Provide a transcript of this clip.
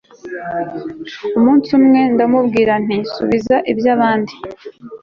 umunsi umwe ndamubwira nti subiza iby'abandi